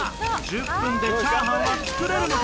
１０分でチャーハンは作れるのか？